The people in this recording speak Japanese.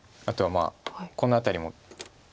あとはこの辺りも。